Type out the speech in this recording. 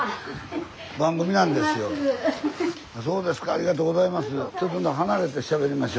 ありがとうございます。